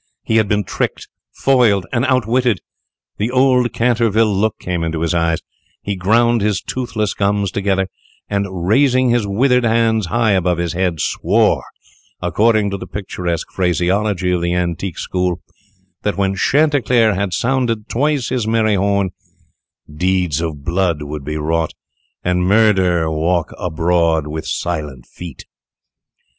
He had been tricked, foiled, and out witted! The old Canterville look came into his eyes; he ground his toothless gums together; and, raising his withered hands high above his head, swore according to the picturesque phraseology of the antique school, that, when Chanticleer had sounded twice his merry horn, deeds of blood would be wrought, and murder walk abroad with silent feet.